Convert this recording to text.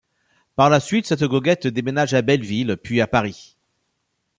Par la suite cette goguette déménage à Belleville puis à Paris.